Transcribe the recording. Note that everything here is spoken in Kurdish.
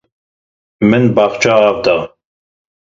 Min bexçe av da.